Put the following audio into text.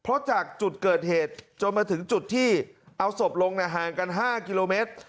เพราะจากจุดเกิดเหตุจนมาถึงจุดที่เอาศพลงห่างกัน๕กิโลเมตร